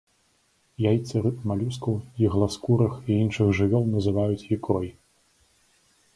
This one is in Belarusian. Яйцы рыб, малюскаў, ігласкурых і іншых жывёл называюць ікрой.